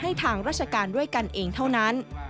ทางราชการด้วยกันเองเท่านั้น